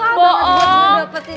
susah banget buat mendapatinya itu